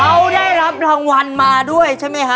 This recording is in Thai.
เขาได้รับรางวัลมาด้วยใช่ไหมฮะ